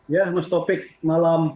ya mustopik malam